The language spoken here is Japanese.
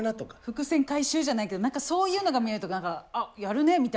伏線回収じゃないけど何かそういうのが見えると何か「あっやるね」みたいなことだ。